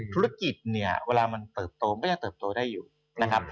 ธุรกิจเนี่ยเวลามันเติบโตมันก็ยังเติบโตได้อยู่นะครับ